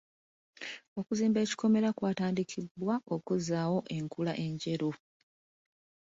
Okuzimba ekikomera kwatandikibwa okuzzaawo enkula enjeru.